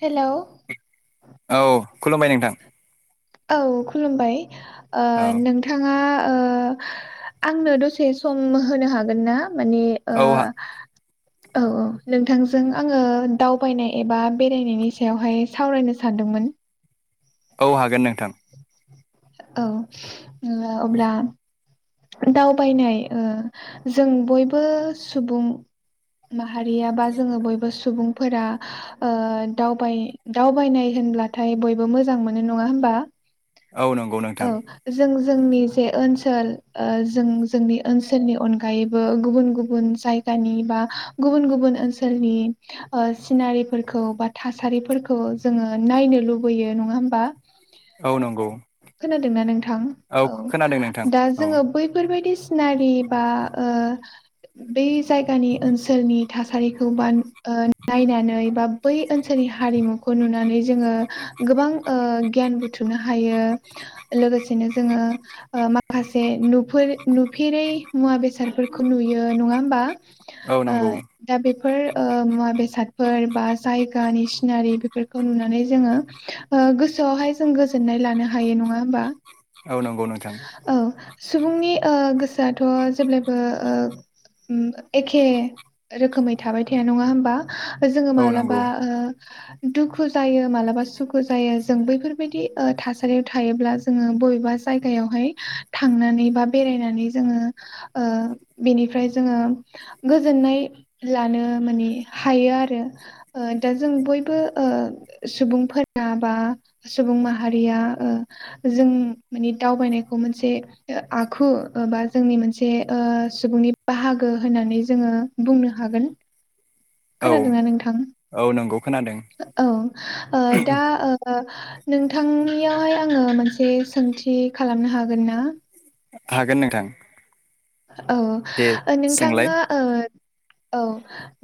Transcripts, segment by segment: हेल' औ खुलुमबाय नोंथां औ खुलुमबाय ओ औ नोंथाङा ओ आंनो दसे सम होनो हागोन ना माने ओ औ हा औ औ नोंथांजों आङो दावबायनाय एबा बेरायनायनि सायावहाय सावरायनो सानदों मोन। औ हागोन नोंथां। औ ओ अब्ला दावबायनाय ओ जों बयबो सुबुं माहारियाबा जोङो बयबो सुबुंफोरा ओ दावबाय दावबायनाय होनब्लाथाय बयबो मोजां मोनो नङा होनबा? बा औ नंगौ नोंथां। जोंनि जे ओनसोल ओ जों जोंनि ओनसोलनि अनगायैबो गुबुन गुबुन जायगानि बा गुबुन गुबुन गुबुन ओनसोलनि सिनारिफोरखौ बा थासारिफोरखौ जोङो नायनो लुबैयो। नङा होमबा? औ नंगौ। खोनादों ना नोंथां औ खोनादों नोंथां दा औ जोङो बैफोरबायदि सिनारि बा ओ बै जायगानि ओनसोलनि थासारिखौ बा ओ नायनानै बा बै ओनसोलनि हारिमुखौ नुनानै जोङो गोबां ओ गियान बुथुमनो हायो लोगोसे सेनो जोङो ओ माखासे से नुफेरै मुवा बेसादफोरखौ नुयो नङा होमबा? औ ओ नंगौ दा बे फोर मुवा बेसादफोर बा जायगानि सिनारि बेफोरखौ नुनानै जोङो गोसोआवहाय जों गोजोननाय लानो हायो नङा होमबा? औ नंगौ नोंथां। औ सुबुंनि गोसोआथ' जेब्लायबो ओ उम एखे रोखोमै थाबाय थाया नङा होनबा? जोङो औ नंगौ मालाबा दुखु जायो मालाबा सुखु जायो। जों बैफोरबायदि थासारियाव थायोब्ला जोङो बबेबा जायगायावहाय थांनानै बा बेरायनानै जोङो बेनिफ्राय जोङो गोजोननाय लानो माने हायो आरो। ओ दा जों बयबो ओ सुबुं फोरा बा सुबुं माहारिया ओ जों माने दावबायनायखौ मोनसे आखु बा जोंनि मोनसे सुबुंनि बाहागो होननानै जोङो बुंनो हागोन। औ खोनादोंना नोंथां? औ नंगौ खोनादों औ ओ दा ओ नोंथांनियावहाय आङो मोनसे सोंथि खालामनो हागोन ना? हागोन नोंथां। दे औ सोंलाय नोंथाङा ओ औ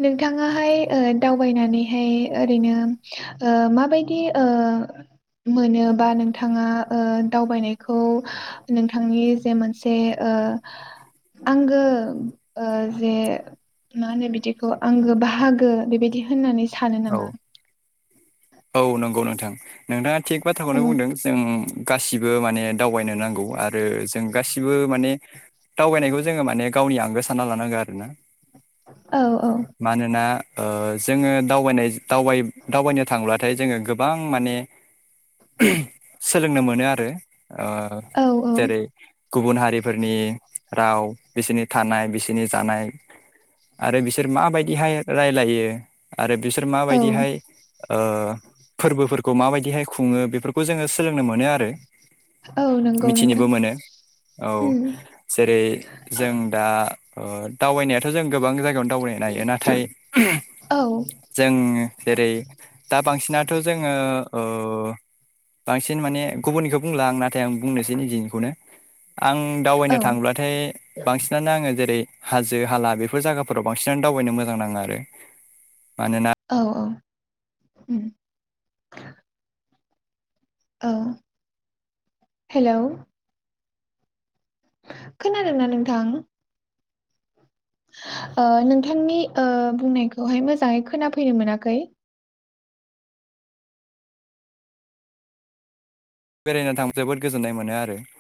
नोंथाङाहाय दावबायनानैहाय ओरैनो ओ मा माबायदि ओ मोनोबा नोंथाङा ओ दावबायनायखौ नोंथांनि जे मोनसे ओ आंगो ओ जे मा होनो बिदिखौ आंगो बाहागो बेबायदि होननानै सानो नामा? औ औ नंगौ नोंथां नोंथाङा थिग औ बाथ्राखौनो बुंदों जों गासिबो बो माने दावबायनो नांगौ आरो जों गासिबो माने दावबायनायखौ जोङो माने गावनि आंगो सानना लानांगौ आरोना। औ मानोना ओ जोङो दावबायनाय दावबाय दावबायनो थांब्लाथाय जोङो गोबां माने सोलोंनो मोनो आरो। ओ औ जेरै औ गुबुन हारिफोरनि राव बिसोरनि थानाय बिसनि जानाय आरो बिसोर माबायदिहाय रायलायो आरो बिसोर औ माबायदिहाय उम फोरबोफोरखौ माबायदिहाय खुङो बेफोरखौ जोङो सोलोंनो मोनो आरो। औ नंगौ नोंथां। मिथिनोबो मोनो औ उम जेरै जों दा। ओ दावबायनायाथ' जों गोबां जायगायावनो दावबायनो हायो नाथाय औ जों जेरै दा बांसिनाथ' जोङो ओ बांसिन माने गुबुननिखौ बुंला आंना नाथाय आं बुंनोसै निजिनिखौनो आं औ दावबायनो थांब्लाथाय बांसिनानो आङो जेरै हाजो हाला बेफोर जायगाफोराव बांसिनानो दावबायनो मोजां नाङा आरो मानोना औ औ उम। औ हेलौ। खोनादों ना नोंथां? ओ नोंथांनि ओ बुंनायखौहाय मोजाङै खोनाफैनो मोनाखै। बेरायनो थांबा जोबोद गोजोननाय मोनो आरो।